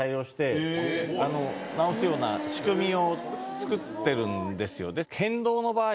双方向でその場に直すような仕組みを作ってるんですよ